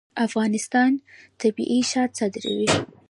افغانستان طبیعي شات صادروي